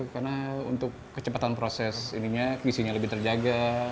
karena untuk kecepatan proses ininya visinya lebih terjaga